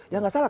ya nggak salah